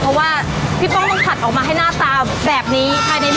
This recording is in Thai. เพราะว่าพี่ป้องต้องผัดออกมาให้หน้าตาแบบนี้ภายในห